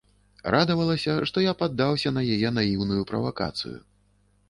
Радавалася, што я паддаўся на яе наіўную правакацыю.